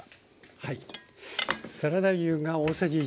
はい。